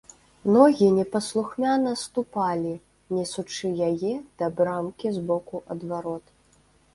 Ногі непаслухмяна ступалі, несучы яе да брамкі з боку ад варот.